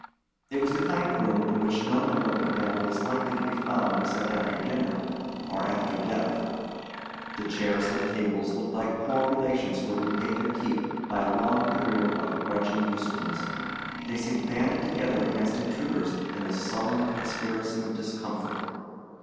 It was the kind of room in which no member of the family is likely to be found except after dinner or after death. The chairs and tables looked like poor relations who had repaid their keep by a long career of grudging usefulness: they seemed banded together against intruders in a sullen conspiracy of discomfort.